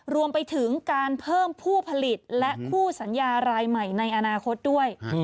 รวมไปถึงการเพิ่มผู้ผลิตและคู่สัญญารายใหม่ในอนาคตด้วย